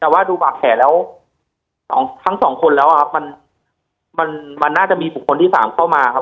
แต่ว่าดูบาดแผลแล้วทั้งสองคนแล้วครับมันมันน่าจะมีบุคคลที่๓เข้ามาครับ